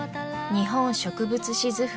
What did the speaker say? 「日本植物志図譜」